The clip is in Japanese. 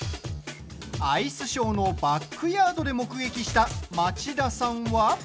アイスショーのバックヤードで目撃した、町田さんは？